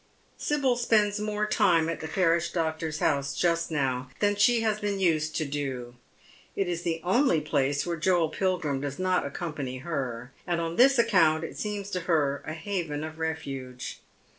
Sibyl spends more time at the parish doctor's house just now than she has been used to do. It is the only place where Joel Pilgrim does not accompany her, and on this account it seems to her a haven of refuge.